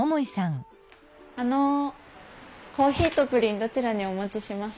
あのコーヒーとプリンどちらにお持ちしますか？